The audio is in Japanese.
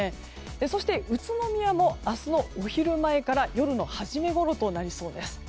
そして宇都宮も明日のお昼前から夜の初めごろとなりそうです。